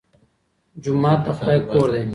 جومات د خدای کور دی.